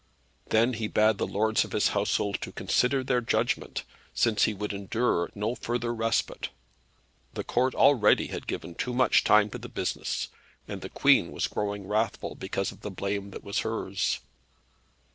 Then he bade the lords of his household to consider their judgment, since he would endure no further respite. The Court already had given too much time to the business, and the Queen was growing wrathful, because of the blame that was hers.